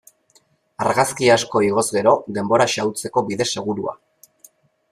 Argazki asko igoz gero, denbora xahutzeko bide segurua.